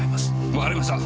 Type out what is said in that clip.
わかりました！